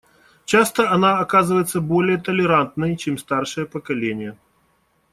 Часто она оказывается более толерантной, чем старшее поколение.